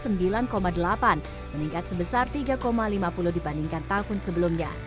meningkat sebesar tiga lima puluh dibandingkan tahun sebelumnya